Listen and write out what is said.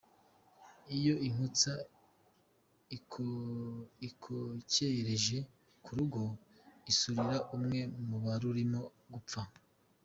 « Iyo inkotsa ikokereje ku rugo isurira umwe mu barurimo gupfa ».